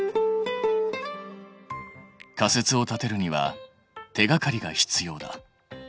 仮説を立てるには手がかりが必要だ。